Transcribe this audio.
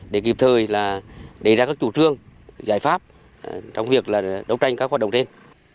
để kịp thời là đề ra các chủ trương giải pháp trong việc đấu tranh các hoạt động trên